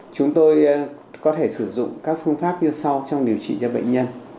chúng tôi có thể sử dụng các phương pháp như sau trong điều trị cho bệnh nhân